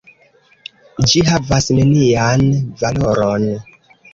Ĝi havas nenian valoron.